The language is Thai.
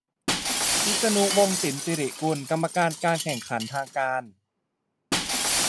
- วิษณุ วงศ์สินศิริกุล กรรมการการแข่งขันทางการ